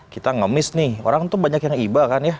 kita ngemis nih orang tuh banyak yang iba kan ya